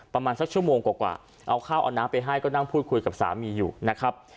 ประมาณสักชั่วโมงกว่าเอาข้าวเอาน้ำไปให้ก็นั่งพูดคุยกับสามีอยู่นะครับ